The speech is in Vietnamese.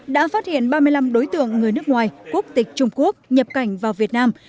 đã phát hiện ba mươi năm đối tượng người nước ngoài quốc tịch trung quốc nhập cảnh vào việt nam